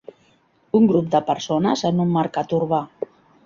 Un grup de persones en un mercat urbà.